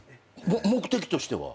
目的としては？